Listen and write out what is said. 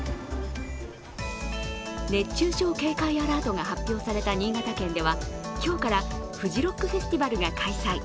熱中症警戒アラートが発表された新潟県では今日からフジロックフェスティバルが開催。